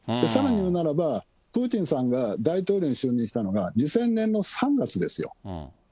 さらにいうならば、プーチンさんが大統領に就任したのが２０００年の３月ですよ。